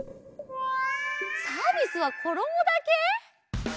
サービスはころもだけ！？